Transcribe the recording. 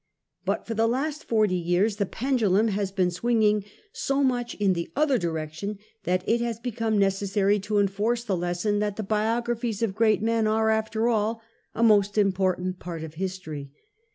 But for the last forty years the pendulum has been swinging so much in the other direction, that it has become necessary to enforce the lesson that the biographies of great men are, after all, a most important part of history.